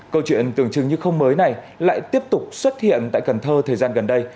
câu chuyện tưởng chừng như không mới này lại tiếp tục xuất hiện tại cần thơ thời gian gần đây